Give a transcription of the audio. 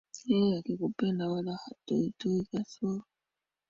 Yeye akikupenda, wala hatoitoi kasoro.